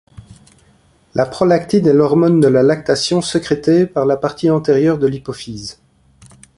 La prolactine est l'hormone de la lactation sécrétée par la partie antérieure de l'hypophyse.